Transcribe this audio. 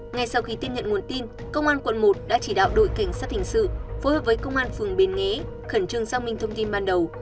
ngay sau khi tiếp nhận nguồn tin công an quận một đã chỉ đạo đội cảnh sát hình sự phối hợp với công an phường bến nghé khẩn trương xác minh thông tin ban đầu